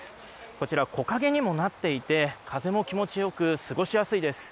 こちら、木陰にもなっていて風も気持ち良く過ごしやすいです。